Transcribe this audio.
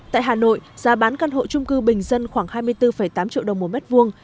tại hà nội giá bán căn hộ trung cư bình dân khoảng hai mươi bốn tám triệu đồng một mét vuông